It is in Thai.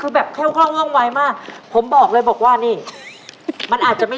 คือแบบเข้าคล่องว่องไวมากผมบอกเลยบอกว่านี่มันอาจจะไม่